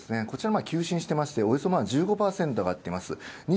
こちら急進してまして、およそ１５％あがっています。